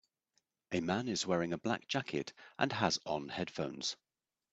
A man is wearing a black jacket and has on headphones.